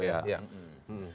ya di batu